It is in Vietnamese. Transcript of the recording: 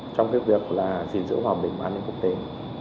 trong việc gìn giữ hòa bình và an ninh quốc tế